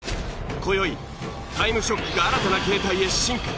今宵『タイムショック』が新たな形態へ進化。